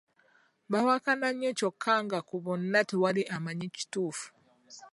Baawakana nnyo kyokka nga ku bonna tewali amanyi kituufu.